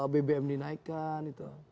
bbm dinaikkan gitu